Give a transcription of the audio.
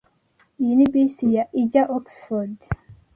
Iyi ni bisi ijya Oxford?